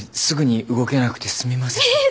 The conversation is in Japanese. すぐに動けなくてすみません。